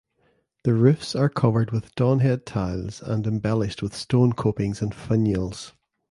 The roofs are covered with Donhead tiles and embellished with stone copings and finials.